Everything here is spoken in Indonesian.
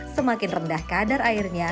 semakin rendah kadar airnya